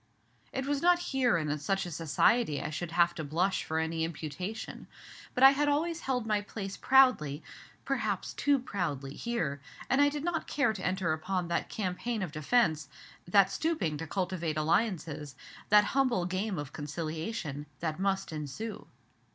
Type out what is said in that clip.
It was not here and in such a society I should have to blush for any imputation. But I had always held my place proudly, perhaps too proudly, here, and I did not care to enter upon that campaign of defence that stooping to cultivate alliances, that humble game of conciliation that must ensue.